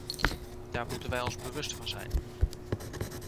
Daar moeten wij ons van bewust zijn.